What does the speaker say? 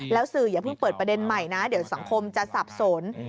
แล้วสื่ออย่าเพิ่งเปิดประเด็นใหม่นะเดี๋ยวสังคมจะสับสน